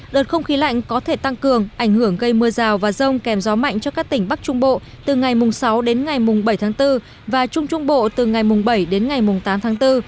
đợt không khí lạnh có thể tăng cường ảnh hưởng gây mưa rào và rông kèm gió mạnh cho các tỉnh bắc trung bộ từ ngày sáu đến ngày bảy tháng bốn và trung trung bộ từ ngày bảy đến ngày tám tháng bốn